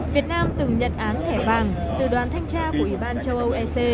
việt nam từng nhận án thẻ vàng từ đoàn thanh tra của ủy ban châu âu ec